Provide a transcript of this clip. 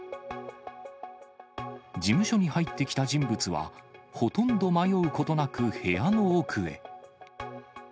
事務所に入ってきた人物は、ほとんど迷うことなく部屋の奥へ。